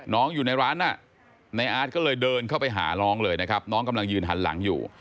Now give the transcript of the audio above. อยู่ในร้านน่ะในอาร์ตก็เลยเดินเข้าไปหาน้องเลยนะครับน้องกำลังยืนหันหลังอยู่